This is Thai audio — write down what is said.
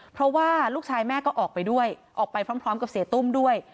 เพราะว่าลูกชายแม่ก็ออกไปด้วยออกไปพร้อมกับเสียตุ้มด้วย